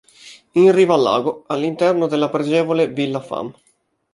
In riva al lago, all'interno della pregevole villa fam.